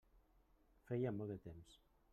Feia molt de temps.